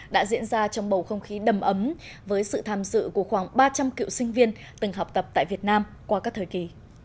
đã diễn ra trong bầu không khí đầm ấm với sự tham dự của khoảng ba trăm linh cựu sinh viên từng học tập tại việt nam qua các thời kỳ